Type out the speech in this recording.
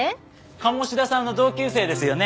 鴨志田さんの同級生ですよね？